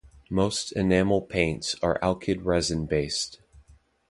Most enamel paints are alkyd resin based.